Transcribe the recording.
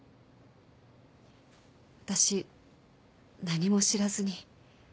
私何も知らずに。